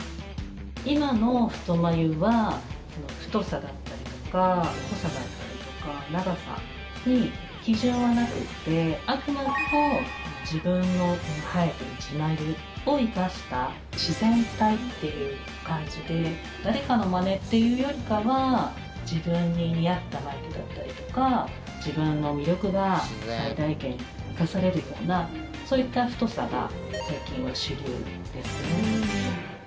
今の太眉は太さだったりとか濃さだったりとか長さに基準はなくてあくまでも自分の生えている自眉を生かした自然体っていう感じで誰かのまねっていうよりかは自分に似合った眉毛だったりとか自分の魅力を最大限生かされるようなそういった太さが最近は主流ですね。